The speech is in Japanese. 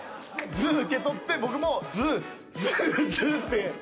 図受け取って僕もずずずって。